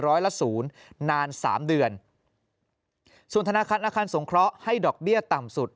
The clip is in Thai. ร้อยละศูนย์นานสามเดือนส่วนธนาคารอาคารสงเคราะห์ให้ดอกเบี้ยต่ำสุด